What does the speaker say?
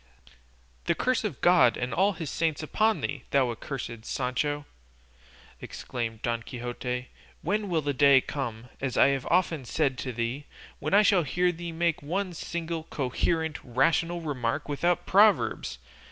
"The curse of God and all his saints upon thee, thou accursed Sancho!" exclaimed Don Quixote; "when will the day come as I have often said to thee when I shall hear thee make one single coherent, rational remark without proverbs?